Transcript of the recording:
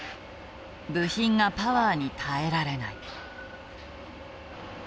部品がパワーに耐えられない。